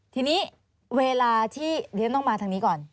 ทีนี้เวลาที่เรียนต้องมาทางนี้ก่อน